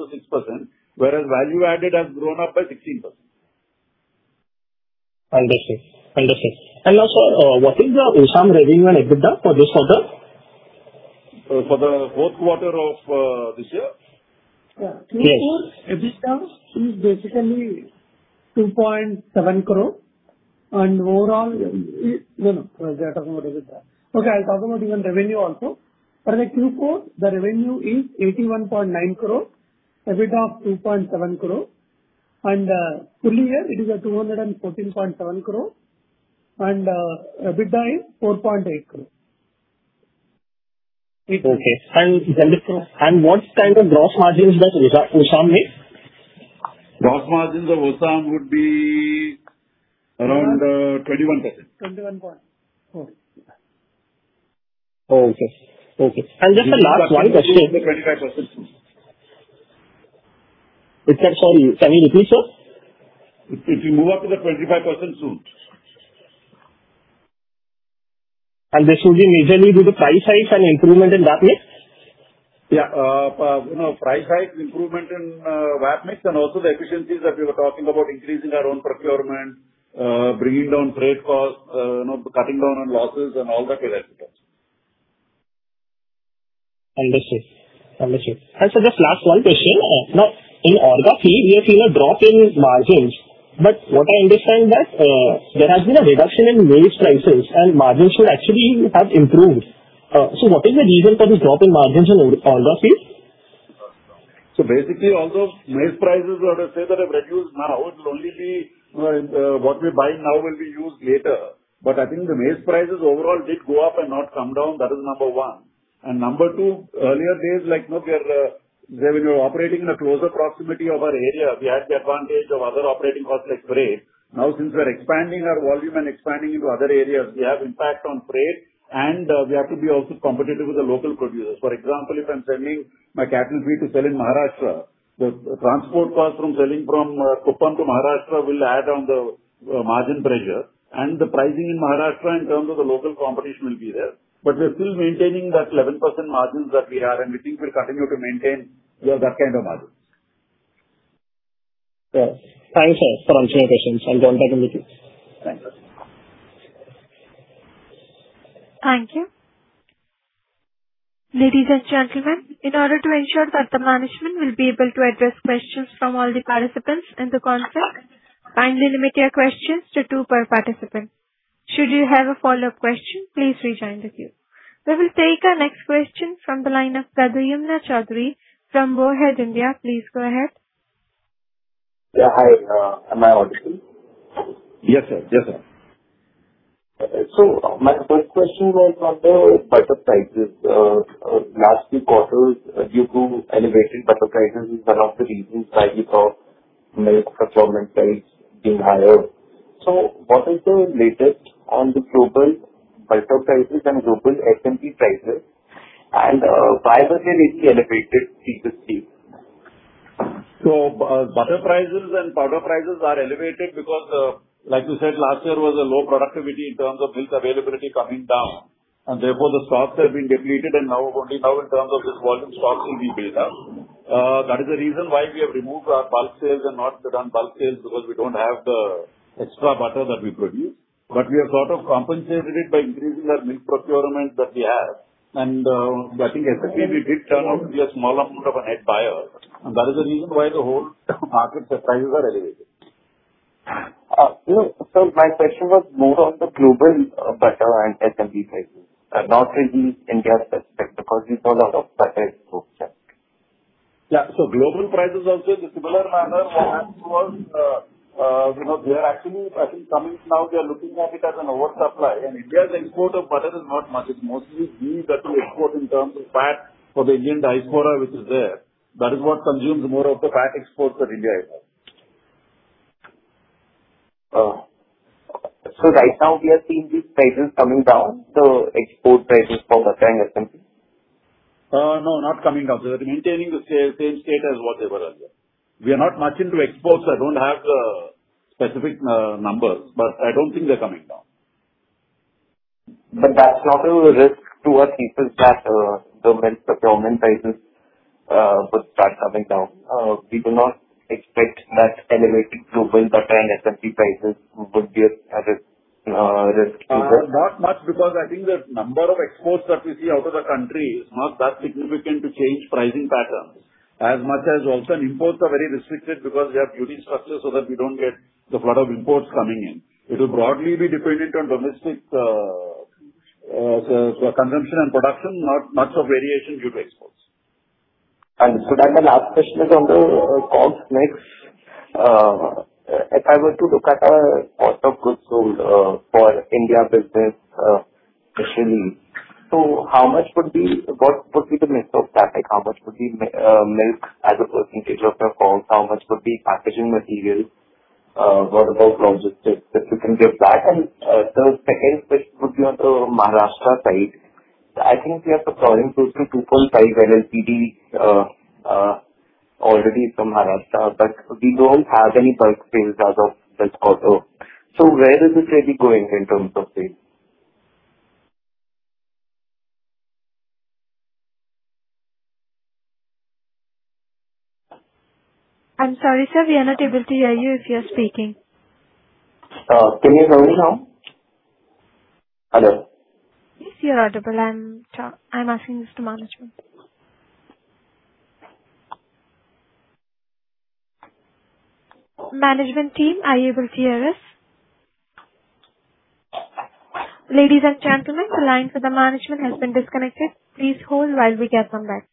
whereas value-added has grown up by 16%. Understood. Also, what is the OSAM revenue and EBITDA for this quarter? for the fourth quarter of this year? Yeah. Q4 EBITDA is basically INR 2.7 crore. No, no. They are talking about EBITDA. Okay, I'll talk about even revenue also. For the Q4, the revenue is 81.9 crore, EBITDA of 2.7 crore. Full year it is at 214.7 crore and EBITDA is 4.8 crore. Okay. What kind of gross margins does OSAM make? Gross margins of OSAM would be around 21%. 21 point. Okay. Okay. Okay. Just the last one question. It should move up to the 25% soon. It should, sorry. Can you repeat, sir? It should move up to the 25% soon. This will be majorly due to price hikes and improvement in VAP mix? Yeah. you know, price hikes, improvement in VAP mix, and also the efficiencies that we were talking about increasing our own procurement, bringing down freight costs, you know, cutting down on losses and all that will add to that. Understood. Understood. Sir, just last one question. Now in Orgafeed, we have seen a drop in margins, but what I understand that there has been a reduction in maize prices and margins should actually have improved. What is the reason for the drop in margins in Orgafeed? Although maize prices, we ought to say that have reduced now, it will only be what we buy now will be used later. I think the maize prices overall did go up and not come down. That is number one. Number two, earlier days, like, you know, we are, we were operating in a closer proximity of our area. We had the advantage of other operating costs like freight. Now, since we are expanding our volume and expanding into other areas, we have impact on freight, and we have to be also competitive with the local producers. For example, if I'm selling my cattle feed to sell in Maharashtra, the transport cost from selling from Kuppam to Maharashtra will add on the margin pressure. The pricing in Maharashtra in terms of the local competition will be there. We are still maintaining that 11% margins that we had, and we think we'll continue to maintain, yeah, that kind of margins. Yeah. Thank you, sir, for answering the questions. I'll hand back to Nikita. Thank you. Thank you. Ladies and gentlemen, in order to ensure that the management will be able to address questions from all the participants in the conference, kindly limit your questions to two per participant. Should you have a follow-up question, please rejoin the queue. We will take our next question from the line of Pradyumna Choudhury from Warhead India. Please go ahead. Yeah, hi. Am I audible? Yes, sir. Yes, sir. My first question was on the butter prices. Last few quarters due to elevated butter prices is one of the reasons why we saw milk procurement price being higher. What is the latest on the global butter prices and global SMP prices? Why was it really elevated Q to Q? Butter prices and powder prices are elevated because, like you said, last year was a low productivity in terms of milk availability coming down, and therefore the stocks have been depleted. Now, only now in terms of this volume, stocks will be built up. That is the reason why we have removed our bulk sales and not done bulk sales because we don't have the extra butter that we produce. We have sort of compensated it by increasing our milk procurement that we have. I think essentially we did turn out to be a small amount of a net buyer. That is the reason why the whole market prices are elevated. You know, sir, my question was more on the global butter and SMP prices. Not really India-specific because we saw a lot of price growth there. Yeah. Global prices also in similar manner were as to us, you know, they are actually, I think, coming now. They are looking at it as an oversupply. India's import of butter is not much. It's mostly ghee that we export in terms of fat for the Indian diaspora which is there. That is what consumes more of the fat exports that India has. Right now we are seeing these prices coming down, so export prices for butter and SMP. No, not coming down. They're maintaining the same state as what they were earlier. We are not much into exports. I don't have the specific numbers, but I don't think they're coming down. That's not a risk to us because that, the milk procurement prices, would start coming down. We do not expect that elevated global butter and SMP prices would be a risk to us. Not much because I think the number of exports that we see out of the country is not that significant to change pricing patterns as much as also imports are very restricted because we have duty structures so that we don't get the flood of imports coming in. It will broadly be dependent on domestic consumption and production, not much of variation due to exports. The last question is on the costs mix. If I were to look at cost of goods sold for India business especially, what would be the mix of that? How much would be milk as a percentage of the cost? How much would be packaging materials? What about logistics? If you can give that. The second question would be on the Maharashtra side. I think we are supplying close to 2.5 MLPD already from Maharashtra, but we don't have any bulk sales as of this quarter. Where is this really going in terms of sales? I'm sorry, sir, we are not able to hear you if you are speaking. Can you hear me now? Hello? Yes, you're audible. I'm asking this to management. Management team, are you able to hear us? Ladies and gentlemen, the line for the management has been disconnected. Please hold while we get them back.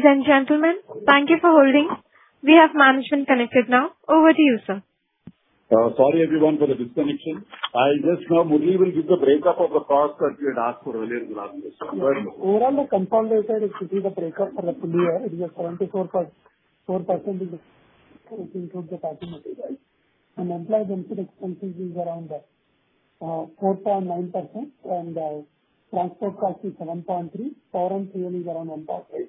Ladies and gentlemen, thank you for holding. We have management connected now. Over to you, sir. Sorry everyone for the disconnection. I'll just now Murali will give the breakup of the cost that you had asked for earlier in the. Yeah. presentation. Go ahead, Murali. Overall, the consolidated if you see the breakup for the full year, it is 74.4% is include the packing materials. Employee benefit expenses is around 4.9%, and transport cost is 1.3%. Foreign fee only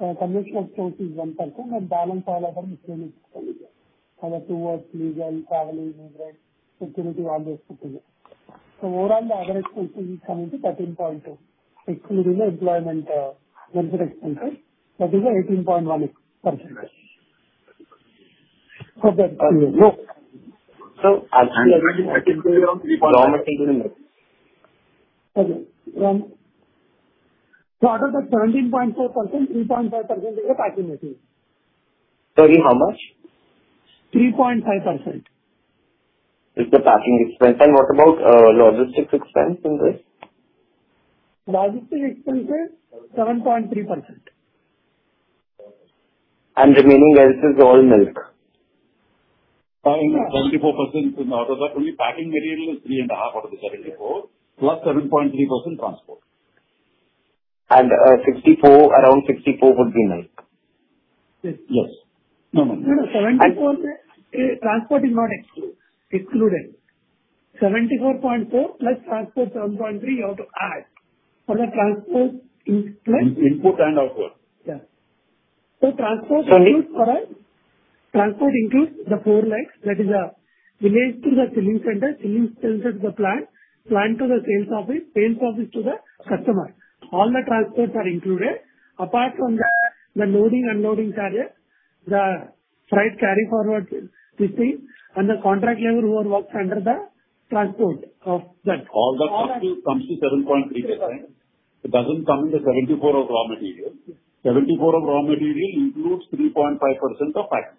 is around 1.3%. Commercial expense is 1%, and balance all other miscellaneous expenses, other towards legal, travel, interest, security, all those put together. Overall, the average expenses is coming to 13.2%, excluding the employment benefit expenses. That is at 18.1%. For that, no. So- Okay. Out of the 17.4%, 3.5% is the packing material. Sorry, how much? 3.5%. Is the packing expense? What about logistics expense in this? Logistics expense is 7.3%. Remaining else is all milk. In 24% in order, only packing material is 3.5 out of the 74, +7.3% transport. Around 64 would be milk. Yes. No, no. 74, transport is not excluded. 74.4 plus transport 7.3, you have to add. For the transport plus. Input and output. Yeah. transport includes. Sorry. Transport includes the four legs. That is, village to the chilling center, chilling center to the plant to the sales office, sales office to the customer. All the transports are included. Apart from that, the loading, unloading carrier, the freight carry forward, this thing, and the contract labor who all works under the transport of that. All that comes to 7.3%. That's right. It doesn't come in the 74% of raw material. 74% of raw material includes 3.5% of packing.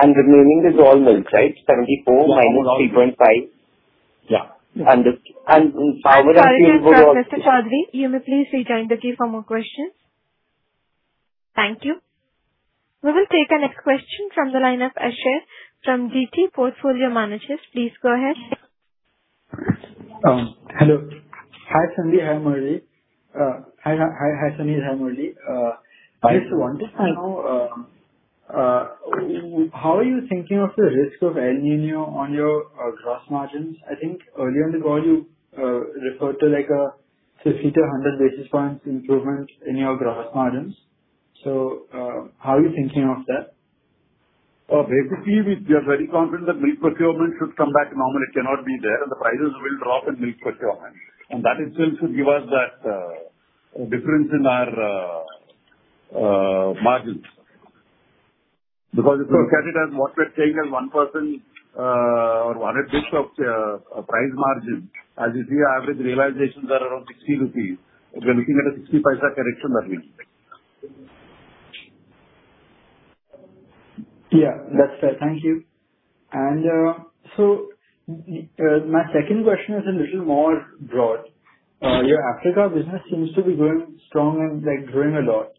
Remaining is all milk, right? 74 -3.5. Yeah, all milk. Yeah. Power and fuel would all- Sorry to interrupt, Mr. Choudhury. You may please rejoin the queue for more questions. Thank you. We will take the next question from the line of Ashish from GT Portfolio Managers. Please go ahead. Hello. Hi, Sandip. Hi, Murali. Hi, Sunny. Hi, Murali. I just wanted to know, how are you thinking of the risk of El Niño on your gross margins? I think earlier in the call you referred to, like, a 50 to 100 basis points improvement in your gross margins. How are you thinking of that? Basically, we are very confident that milk procurement should come back to normal. It cannot be there. The prices will drop in milk procurement. That itself should give us that difference in our margins. Because if you look at it as what we are saying as 1%, or 100 basis points of price margin, as you see our average realizations are around 60 rupees. We are looking at an 0.60 correction, that means. Yeah, that's fair. Thank you. My second question is a little more broad. Your Africa business seems to be growing strong and, like, growing a lot.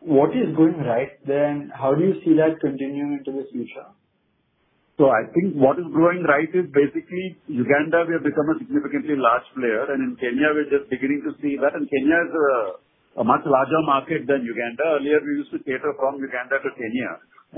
What is going right there, and how do you see that continuing into the future? I think what is growing right is basically Uganda, we have become a significantly large player. In Kenya, we're just beginning to see that. Kenya is a much larger market than Uganda. Earlier, we used to cater from Uganda to Kenya.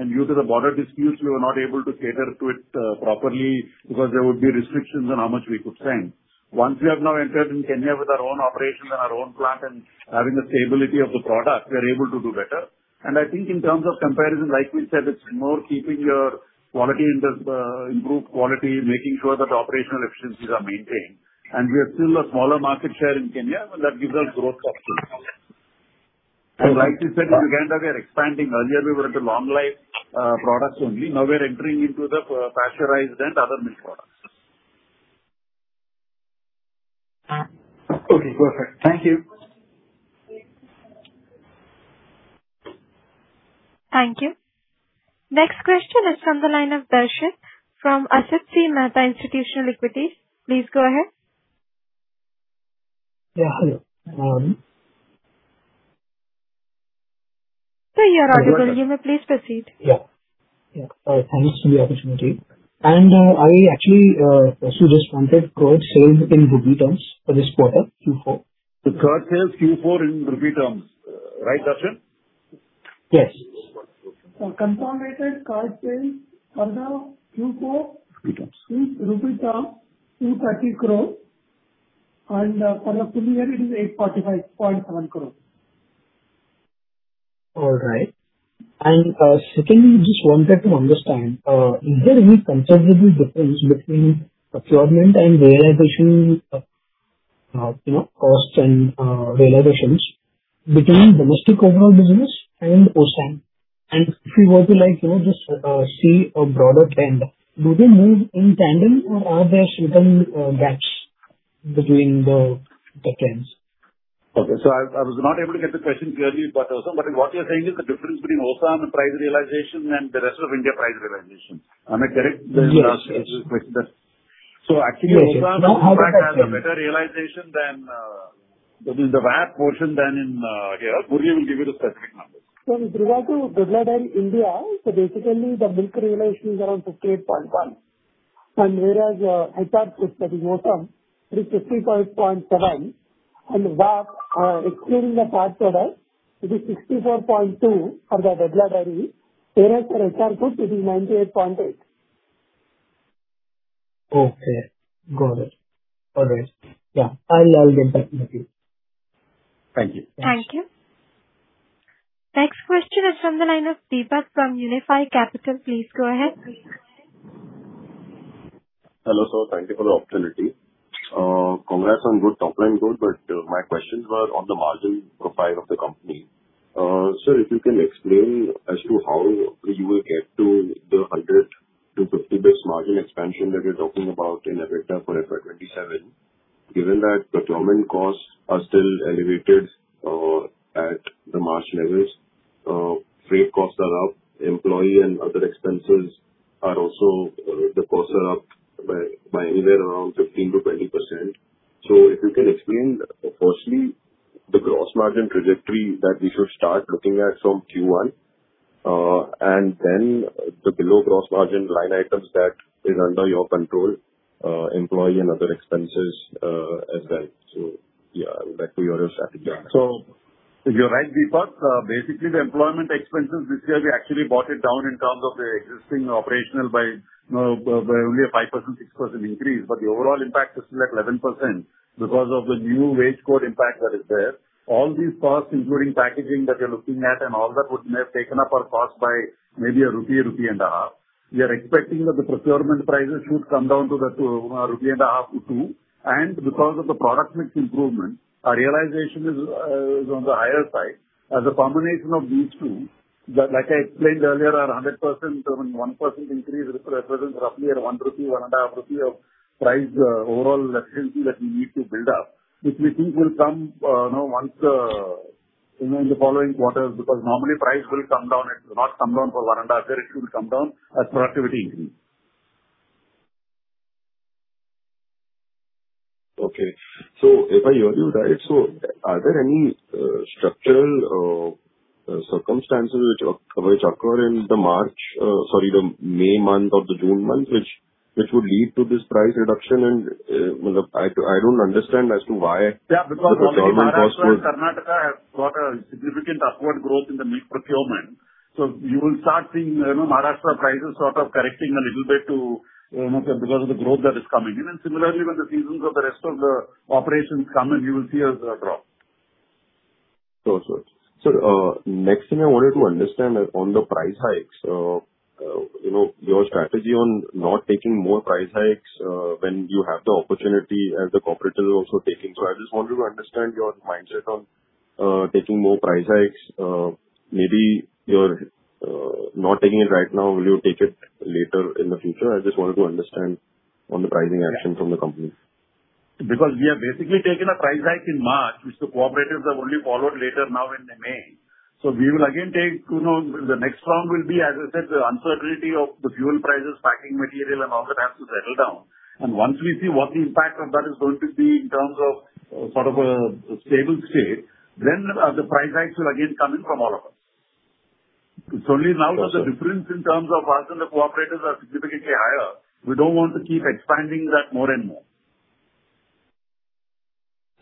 Due to the border disputes, we were not able to cater to it properly because there would be restrictions on how much we could send. Once we have now entered in Kenya with our own operations and our own plant and having the stability of the product, we are able to do better. I think in terms of comparison, like we said, it's more keeping your quality in this improved quality, making sure that operational efficiencies are maintained. We are still a smaller market share in Kenya, and that gives us growth options. Like we said, in Uganda, we are expanding. Earlier, we were into long life products only. We are entering into the pasteurized and other milk products. Okay, perfect. Thank you. Thank you. Next question is from the line of Darshan from Axis Capital Institutional Equities. Please go ahead. Yeah, hello. Good morning. Sir, you are audible. You may please proceed. Yeah. Yeah. All right, thanks for the opportunity. I actually, also just wanted current sales in rupee terms for this quarter, Q4. The current sales Q4 in rupee terms, right, Darshan? Yes. consolidated current sales for the Q4- Rupee terms. In rupee terms, INR 230 crore. For the full year, it is INR 845.7 crore. All right. Secondly, just wanted to understand, is there any considerable difference between procurement and realization, you know, costs and realizations between domestic overall business and OSAM? If you were to, like, you know, just see a broader trend, do they move in tandem or are there certain gaps between the trends? Okay. I was not able to get the question clearly, but what you're saying is the difference between OSAM price realization and the rest of India price realization. Am I correct, Darshan? Yes. To request this? actually OSAM. No, how the price. Has a better realization than, that is the VAP portion than in, here. Murali will give you the specific numbers. With regard to Dodla India, so basically the milk realization is around 58.1%. Whereas, HR Food, that is OSAM, it is 55.7%. VAP, excluding the bulk orders, it is 64.2% for the Dodla Dairy. Whereas for HR Food it is 98.8%. Okay. Got it. All right. Yeah. I'll get back to you. Thank you. Thank you. Next question is from the line of Deepak from Unifi Capital. Please go ahead. Hello, sir. Thank you for the opportunity. Congrats on good top line growth. My questions were on the margin profile of the company. If you can explain as to how you will get to the 150 base margin expansion that you're talking about in EBITDA for FY 2027, given that procurement costs are still elevated, at the margin levels. Freight costs are up, employee and other expenses are also, the costs are up by anywhere around 15%-20%. If you can explain, firstly, the gross margin trajectory that we should start looking at from Q1, and then the below gross margin line items that is under your control, employee and other expenses, as well. Yeah, I would like to hear your strategy on that. Yeah. You're right, Deepak. Basically, the employment expenses this year, we actually brought it down in terms of the existing operational by, you know, by only a 5%, 6% increase. The overall impact is still at 11% because of the New Wage Code impact that is there. All these costs, including packaging that you're looking at and all that would may have taken up our cost by maybe INR 1, INR 1.5. We are expecting that the procurement prices should come down to that, 1.5-2 rupee. Because of the product mix improvement, our realization is on the higher side. As a combination of these two, like I explained earlier, our 100% in terms of 1% increase represents roughly a INR 1, INR 1.5 of price, overall efficiency that we need to build up, which we think will come, you know, once the you know, in the following quarters. Normally price will come down. It will not come down for 1.5 year. It will come down as productivity increase. Okay. If I hear you right, are there any structural circumstances which occur in the March, sorry, the May month or the June month, which would lead to this price reduction? Well, I don't understand as to why. Yeah. the procurement cost was Maharashtra and Karnataka have got a significant upward growth in the milk procurement. You will start seeing, you know, Maharashtra prices sort of correcting a little bit to, you know, because of the growth that is coming in. Similarly, when the seasons of the rest of the operations come in, you will see a drop. Sure, sure. Sir, next thing I wanted to understand on the price hikes. You know, your strategy on not taking more price hikes when you have the opportunity as the cooperative is also taking. I just wanted to understand your mindset on taking more price hikes. Maybe you're not taking it right now. Will you take it later in the future? I just wanted to understand on the pricing action from the company. We have basically taken a price hike in March, which the cooperatives have only followed later now in the May. We will again take, you know, the next round will be, as I said, the uncertainty of the fuel prices, packing material and all that has to settle down. Once we see what the impact of that is going to be in terms of sort of a stable state, then the price hikes will again come in from all of us. Sure, sir. the difference in terms of us and the cooperatives are significantly higher. We don't want to keep expanding that more and more.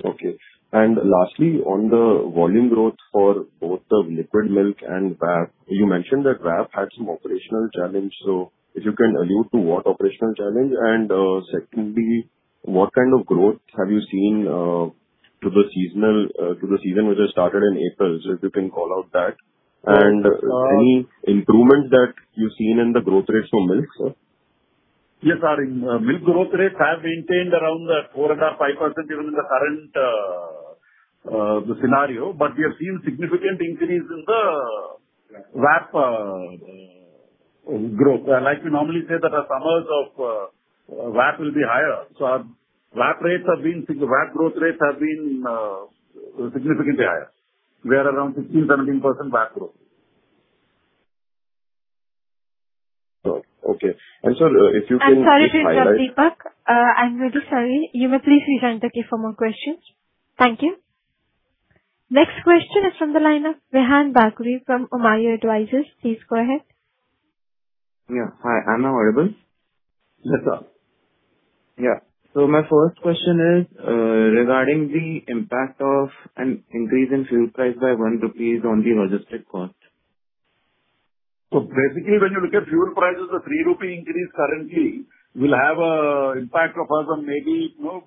Okay. Lastly, on the volume growth for both the liquid milk and VAP, you mentioned that VAP had some operational challenge. If you can allude to what operational challenge? Secondly, what kind of growth have you seen to the seasonal to the season which has started in April, if you can call out that. Sure. Any improvement that you've seen in the growth rates for milk, sir? Yes, sir. In milk growth rates have maintained around the 4.5%, 5% even in the current scenario. We have seen significant increase in the VAP growth. Like we normally say that our summers of VAP will be higher. Our VAP growth rates have been significantly higher. We are around 16%, 17% VAP growth. Oh, okay. I'm sorry to interrupt, Deepak. I'm really sorry. You may please return the queue for more questions. Thank you. Next question is from the line of Rehan Barkat from Omayo Advisors. Please go ahead. Yeah. Hi, Am I audible? Yes, sir. Yeah. My first question is regarding the impact of an increase in fuel price by 1 rupee on the logistic cost. Basically, when you look at fuel prices, the 3 rupee increase currently will have a impact of about some maybe, you know,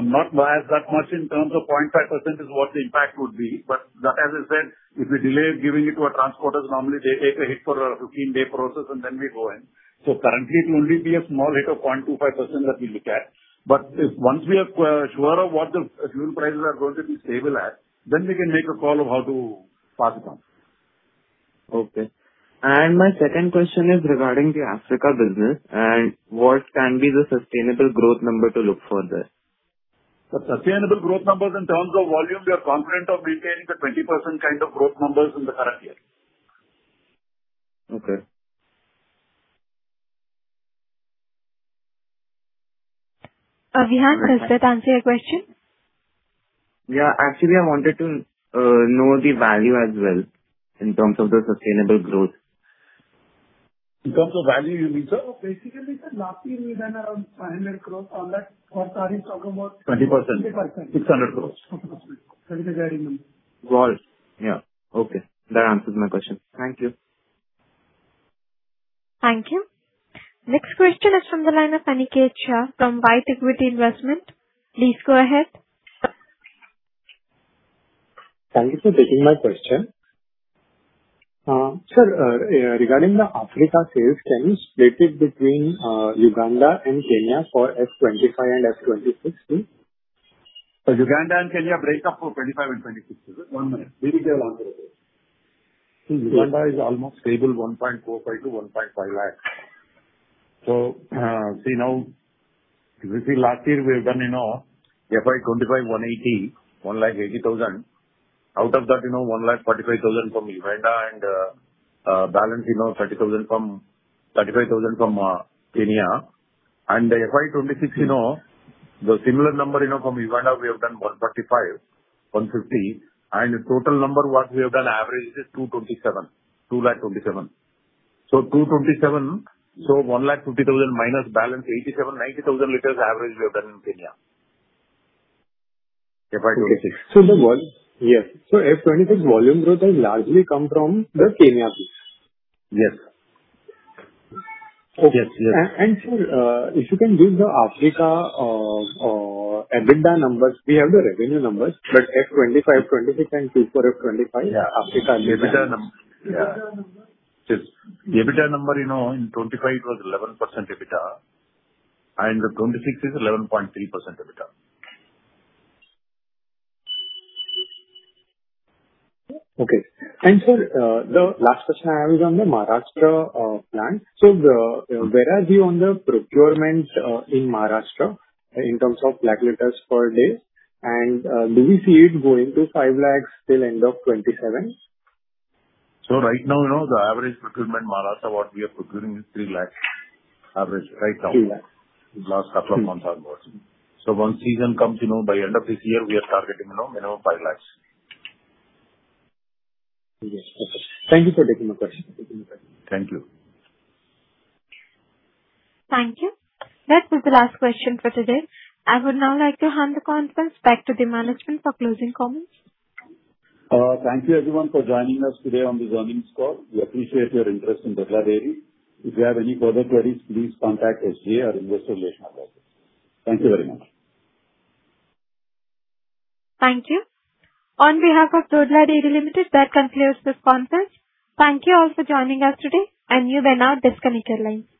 not by as that much in terms of 0.5% is what the impact would be. That as I said, if we delay giving it to our transporters, normally they take a hit for a 15-day process and then we go in. Currently it will only be a small hit of 0.25% that we look at. If once we are sure of what the fuel prices are going to be stable at, then we can make a call of how to pass it on. Okay. My second question is regarding the Africa business and what can be the sustainable growth number to look for there? The sustainable growth numbers in terms of volume, we are confident of maintaining the 20% kind of growth numbers in the current year. Okay. Rehan, does that answer your question? Yeah. Actually, I wanted to know the value as well in terms of the sustainable growth. In terms of value you mean, sir? Basically, sir, last year we done around 500 crores. On that, what sir is talking about- 20%. 20%. 600 crores. INR 600 crores. That is the guiding number. Got it. Yeah. Okay. That answers my question. Thank you. Thank you. Next question is from the line of Ankit Shah from White Equity Investment. Please go ahead. Thank you for taking my question. Sir, regarding the Africa sales, can you split it between Uganda and Kenya for FY 2025 and FY 2026, please? Uganda and Kenya break up for 25 and 26. 1 minute. Uganda is almost stable, 1.45 lakh-1.5 lakh. See now, if you see last year we have done, you know, FY 2025 180,000. Out of that, you know, 145,000 from Uganda and balance, you know, 35,000 from Kenya. FY 2026, you know, the similar number, you know, from Uganda we have done 145, 150. The total number what we have done average is 227,000. 120,000 minus balance 87,000-90,000 liters average we have done in Kenya. FY 2026. So the volume- Yes. FY 2026 volume growth has largely come from the Kenya piece. Yes. Okay. Yes, yes. Sir, if you can give the Africa EBITDA numbers. We have the revenue numbers. FY 2025, 2026 and before FY 2025, Africa EBITDA. Yeah. EBITDA number. Yes. EBITDA number, you know, in FY 2025 it was 11% EBITDA. The FY 2026 is 11.3% EBITDA. Okay. The last question I have is on the Maharashtra plant. Where are you on the procurement in Maharashtra in terms of lakh liters per day? Do we see it going to 5 lakhs till end of 2027? Right now, you know, the average procurement Maharashtra, what we are procuring is 3 lakh average right now. INR 3 lakh. Last couple of months onwards. Once season comes, you know, by end of this year we are targeting, you know, minimum 5 lakhs. Yes. Okay. Thank you for taking my question. Thank you. Thank you. That was the last question for today. I would now like to hand the conference back to the management for closing comments. Thank you everyone for joining us today on this earnings call. We appreciate your interest in Dodla Dairy. If you have any further queries, please contact SGA, our investor relations officer. Thank you very much. Thank you. On behalf of Dodla Dairy Limited, that concludes this conference. Thank you all for joining us today, and you may now disconnect your lines.